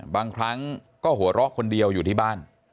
บางครั้งก็หัวเราะคนเดียวอยู่ที่บ้าน